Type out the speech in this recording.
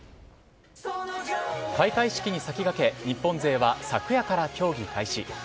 開会式に先駆け日本勢は昨夜から競技を開始。